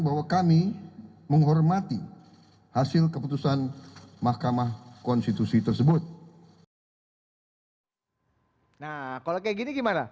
bahwa kami menghormati hasil keputusan mahkamah konstitusi tersebut nah kalau kayak gini gimana